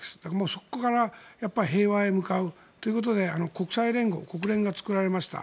そこからやっぱり平和へ向かうということで国際連合、国連が作られました。